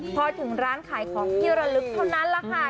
พอถึงร้านขายของที่ระลึกเท่านั้นแหละค่ะ